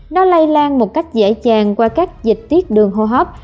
nó lây lan một cách dễ dàng qua các dịch tiết đường hô hấp